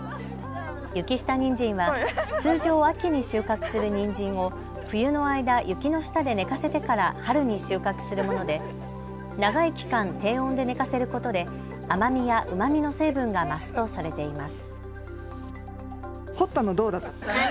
雪下にんじんは通常、秋に収穫するにんじんを冬の間、雪の下で寝かせてから春に収穫するもので長い期間、低温で寝かせることで甘みやうまみの成分が増すとされています。